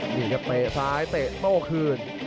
นี่ครับเตะซ้ายเตะโต้คืน